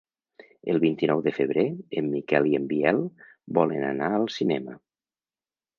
El vint-i-nou de febrer en Miquel i en Biel volen anar al cinema.